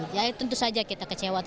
jadi tentu saja kita kecewa